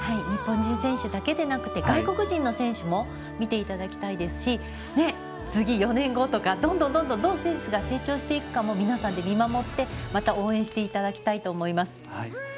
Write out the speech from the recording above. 日本人選手だけじゃなく外国人の選手も見ていただきたいですし次、４年後どんどん、どう選手が成長していくかも皆さんで見守って皆さんで応援していただきたいと思います。